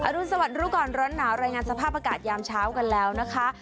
รุนสวัสดิรู้ก่อนร้อนหนาวรายงานสภาพอากาศยามเช้ากันแล้วนะคะ